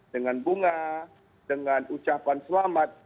dengan bunga dengan ucapan selamat